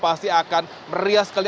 ini akan meriah sekali